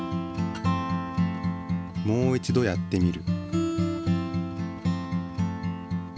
もう一度やってみる。